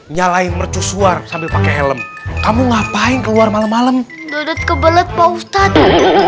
nyalain mercusuar sambil pakai helm kamu ngapain keluar malam malam dodot kebelet pak ustadz